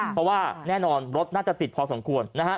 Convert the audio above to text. เพราะว่าแน่นอนรถน่าจะติดพอสมควรนะฮะ